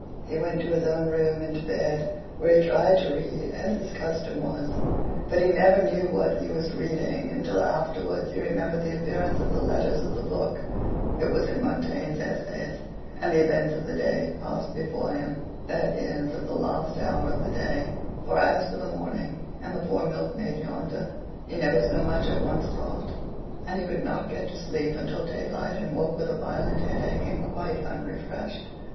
He went to his own room, and to bed, where he tried to read, as his custom was; but he never knew what he was reading until afterwards he remembered the appearance of the letters of the book (it was in Montaigne's Essays), and the events of the day passed before him that is, of the last hour of the day; for as for the morning, and the poor milkmaid yonder, he never so much as once thought. And he could not get to sleep until daylight, and woke with a violent headache, and quite unrefreshed.